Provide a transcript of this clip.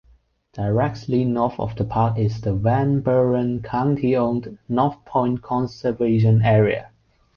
Directly north of the park is the Van Buren County-owned North Point Conservation Area.